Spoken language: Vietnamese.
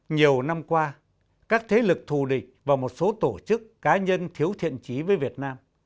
nhiều năm qua các thế lực thù địch và một số tổ chức cá nhân thiếu thiện trí với việt nam